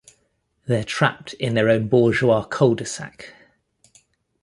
They're trapped in their own bourgeois cul-de-sac.